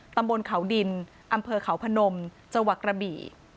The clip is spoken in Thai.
ตำบลเขาดินอำเภอเขาพนมจังหวัดกระบี่